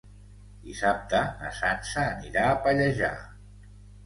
Dissabte na Sança anirà a Pallejà.